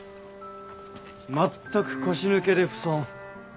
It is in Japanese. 全く腰抜けで不遜ま